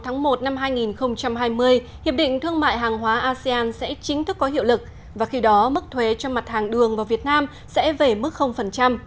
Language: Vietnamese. ngày một hai nghìn hai mươi hiệp định thương mại hàng hóa asean sẽ chính thức có hiệu lực và khi đó mức thuế cho mặt hàng đường vào việt nam sẽ về mức